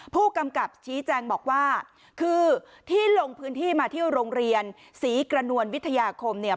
ผู้กำกับชี้แจงบอกว่าคือที่ลงพื้นที่มาที่โรงเรียนศรีกระนวลวิทยาคมเนี่ย